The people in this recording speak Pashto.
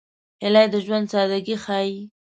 هیلۍ د ژوند سادګي ښيي